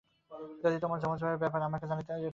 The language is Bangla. যদি তোমার জমজ ভাইয়ের ব্যপারে আমাকে জানাতে, এটা ঘটত না!